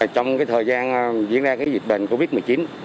trong thời gian diễn ra dịch bệnh covid một mươi chín